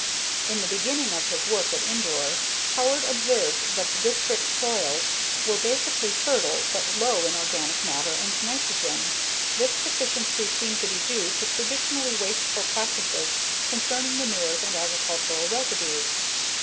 In the beginning of his work at Indore, Howard observed that the district's soils were basically fertile but low in organic matter and nitrogen. This deficiency seemed to be due to traditionally wasteful practices concerning manures and agricultural residues.